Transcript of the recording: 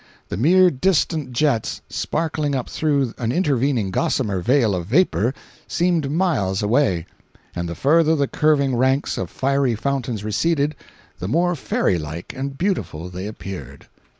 The mere distant jets, sparkling up through an intervening gossamer veil of vapor, seemed miles away; and the further the curving ranks of fiery fountains receded, the more fairy like and beautiful they appeared.